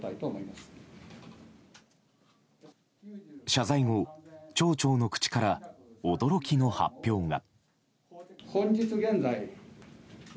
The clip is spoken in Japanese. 謝罪後町長の口から驚きの発表が。